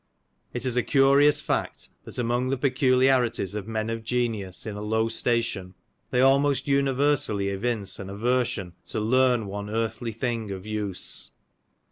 It is a curious fact, that among the peculiarities of men of genius in a low station they almost universally evince an aversion to " learn one earthly thing of use.''